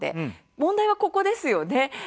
問題はここです。